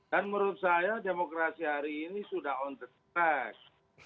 dan menurut saya demokrasi hari ini sudah on the track